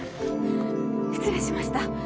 失礼しました。